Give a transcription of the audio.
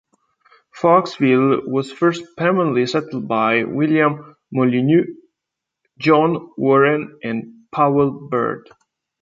Forksville was first permanently settled by William Molyneaux, John Warren and Powell Bird.